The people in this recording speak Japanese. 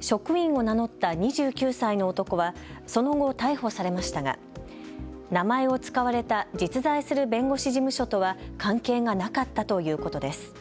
職員を名乗った２９歳の男はその後、逮捕されましたが名前を使われた実在する弁護士事務所とは関係がなかったということです。